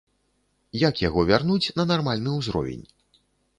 Як яго вярнуць на нармальны ўзровень?